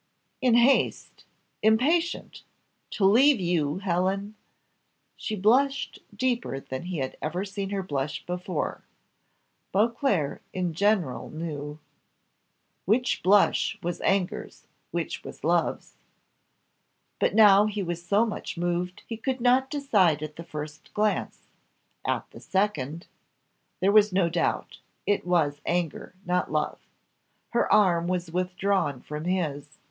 "In haste! impatient! to leave you, Helen!" She blushed deeper than he had ever seen her blush before. Beauclerc in general knew "Which blush was anger's, which was love's!" But now he was so much moved he could not decide at the first glance: at the second, there was no doubt; it was anger not love. Her arm was withdrawn from his.